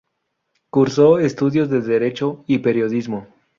Cursó estudios de Derecho y Periodismo.